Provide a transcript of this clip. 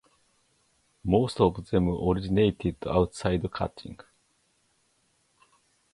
Most of them originated outside Kuching.